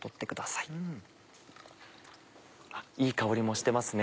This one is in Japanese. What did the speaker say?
いい香りもしてますね。